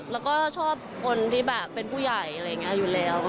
แล้วก็ชอบคนที่แบบเป็นผู้ใหญ่อะไรอย่างนี้อยู่แล้ว